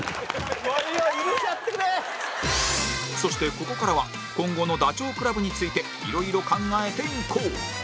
そしてここからは今後のダチョウ倶楽部について色々考えていこう